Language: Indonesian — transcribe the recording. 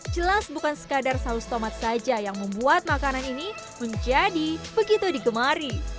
jelas bukan sekadar saus tomat saja yang membuat makanan ini menjadi begitu digemari